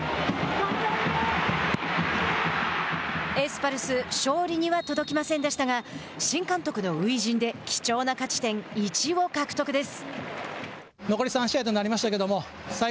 エスパルス勝利には届きませんでしたが新監督の初陣で貴重な勝ち点１を獲得です。